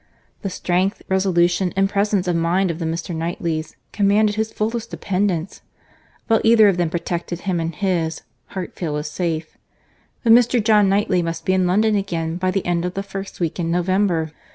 The strength, resolution, and presence of mind of the Mr. Knightleys, commanded his fullest dependence. While either of them protected him and his, Hartfield was safe.—But Mr. John Knightley must be in London again by the end of the first week in November.